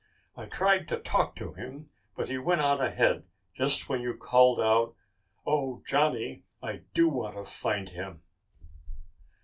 I tried to talk to him but he went on ahead just when you called. Oh, Johnny, I do want to find him."